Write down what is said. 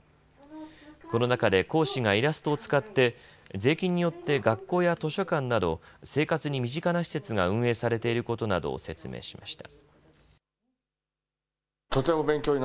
この中で講師がイラストを使って税金によって学校や図書館など生活に身近な施設が運営されていることなどを説明しました。